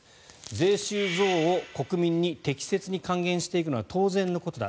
税収増を国民に適切に還元していくのは当然のことだ。